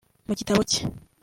Mu gitabo cye